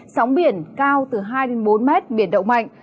sóng biển cao từ hai bốn mét biển động mạnh